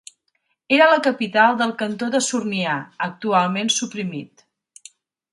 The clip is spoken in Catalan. Era la capital del cantó de Sornià, actualment suprimit.